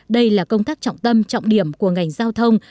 đây là công tác trọng tâm trọng điểm của ngành giao thông